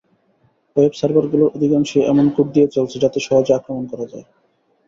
Web সার্ভারগুলোর অধিকাংশই এমন কোড দিয়ে চলছে, যাতে সহজে আক্রমণ করা যায়।